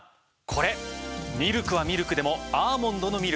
これミルクはミルクでもアーモンドのミルク。